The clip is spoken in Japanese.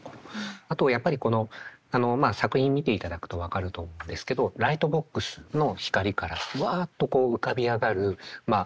あとやっぱりこのまあ作品見ていただくと分かると思うんですけどライトボックスの光からワッとこう浮かび上がるまあ